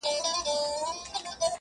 جنت وطن دې شنه لوخړه کړو تمام هلکه